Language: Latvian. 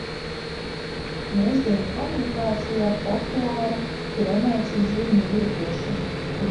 Mūsdienu komunikācijā populāra ir emocijzīmju lietošana, kas dažās subkultūrās attīstīta par pašpietiekošu rakstu sistēmu.